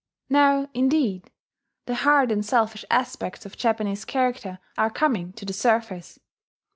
Now, indeed, the hard and selfish aspects of Japanese character are coming to the surface.